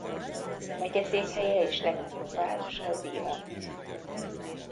Megyeszékhelye és legnagyobb városa Dillon.